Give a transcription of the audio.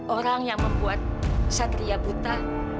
orang yang membuat satria buta